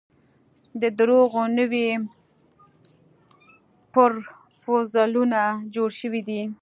د درواغو نوي پرفوزلونه جوړ شوي دي.